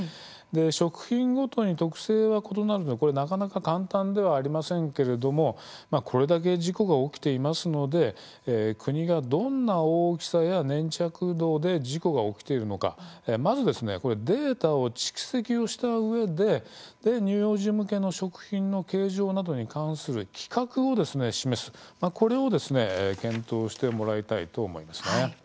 食品ごとに特性は異なるのでなかなか簡単ではありませんけれどもこれだけ事故が起きていますので国がどんな大きさや粘着度で事故が起きているのか、まずデータを蓄積をしたうえで乳幼児向けの食品の形状などに関する規格を示すこれを検討してもらいたいと思います。